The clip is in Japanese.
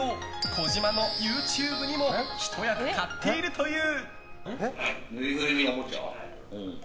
児嶋のＹｏｕＴｕｂｅにもひと役買っているという。